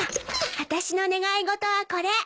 私の願い事はこれ。